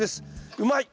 うまい！